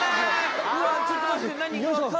うわちょっと待って何傘。